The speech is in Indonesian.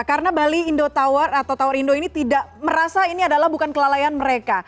karena bali indo tower atau tower indo ini tidak merasa ini adalah bukan kelalaian mereka